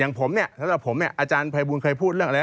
อย่างผมสำหรับผมอาจารย์ไพรบูลเคยพูดเรื่องอะไร